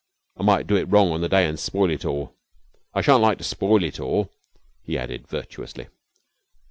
I might do it wrong on the day an' spoil it all. I shan't like to spoil it all," he added virtuously.